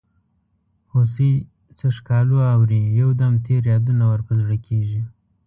هوسۍ څه ښکالو اوري یو دم تېر یادونه ور په زړه کیږي.